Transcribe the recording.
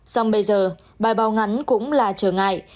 xong bây giờ bài báo ngắn cũng là trở ngại